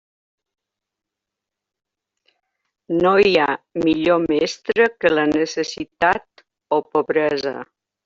No hi ha millor mestre que la necessitat, o pobresa.